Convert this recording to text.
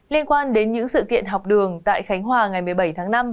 liên quan đến những sự kiện học đường tại khánh hòa ngày một mươi bảy tháng năm